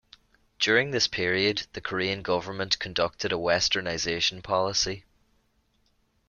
During this period, the Korean government conducted a westernization policy.